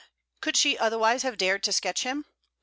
Could she otherwise have dared to sketch him?